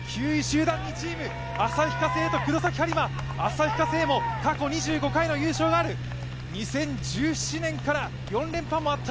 旭化成と黒崎播磨、旭化成も過去２５回の優勝がある２０１７年から４連覇もあった。